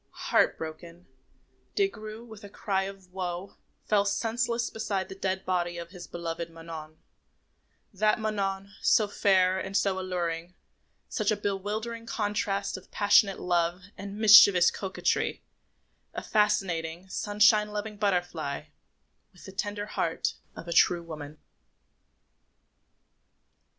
Heart broken, Des Grieux, with a cry of woe, fell senseless beside the dead body of his beloved Manon that Manon, so fair and so alluring, such a bewildering contrast of passionate love and mischievous coquetry, a fascinating, sunshine loving butterfly with the tender heart of a true woman.